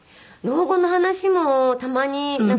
老後の話もたまに。